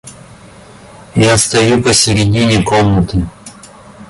Я стою посередине комнаты.